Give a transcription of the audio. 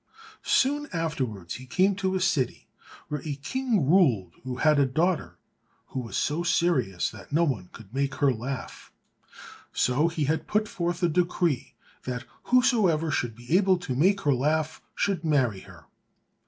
Soon afterwards he came to a city, where a king ruled who had a daughter who was so serious that no one could make her laugh. So he had put forth a decree that whosoever should be able to make her laugh should marry her.